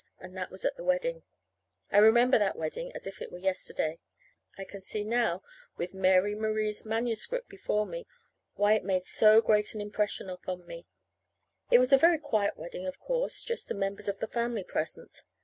And that was at the wedding. I remember that wedding as if it were yesterday. I can see now, with Mary Marie's manuscript before me, why it made so great an impression upon me. It was a very quiet wedding, of course just the members of the family present.